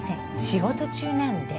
仕事中なんで。